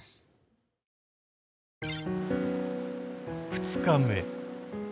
２日目。